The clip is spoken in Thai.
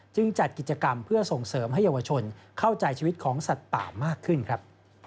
จัดกิจกรรมเพื่อส่งเสริมให้เยาวชนเข้าใจชีวิตของสัตว์ป่ามากขึ้นครับ